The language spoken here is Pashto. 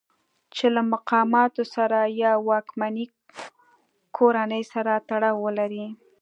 چې له مقاماتو سره یا واکمنې کورنۍ سره تړاو ولرئ.